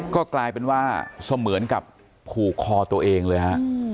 ก็กลายเป็นว่าเสมือนกับผูกคอตัวเองเลยฮะ